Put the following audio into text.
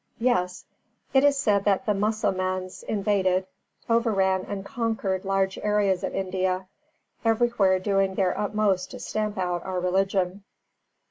Yes. It is said that the Mussalmāns invaded, overran and conquered large areas of India; everywhere doing their utmost to stamp out our religion.